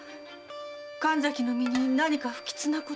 神崎の身に何か不吉なことでも？